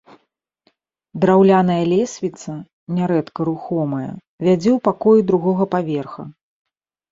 Драўляная лесвіца, нярэдка рухомая, вядзе ў пакоі другога паверха.